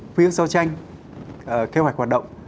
quyết giao tranh kế hoạch hoạt động